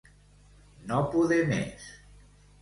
No poder més.